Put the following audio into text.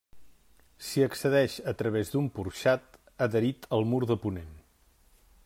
S'hi accedeix a través d'un porxat adherit al mur de ponent.